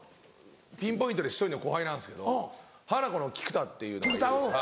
ピンポイントで１人の後輩なんですけどハナコの菊田っていうのがいるんです。